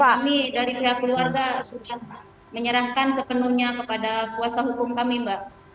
dan kami dari pihak keluarga sudah menyerahkan sepenuhnya kepada kuasa hukum kami mbak